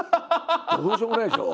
どうしようもないでしょ？